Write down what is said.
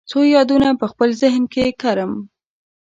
څو یادونه په خپل ذهن کې کرم